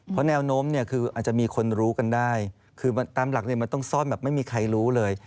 เพราะแนวโน้มอาจจะมีคนรู้กันได้คือตามหลักต้องซ่อนแบบไม่มีใครรู้เลย